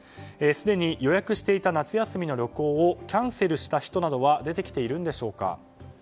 すでに予約していた夏休みの旅行をキャンセルした人などは出てきているんでしょうか。